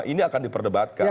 ini akan diperdebatkan